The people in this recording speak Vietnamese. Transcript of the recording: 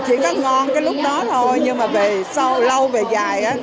chỉ có ngon cái lúc đó thôi nhưng mà lâu về dài